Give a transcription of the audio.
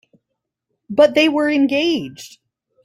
But they were engaged.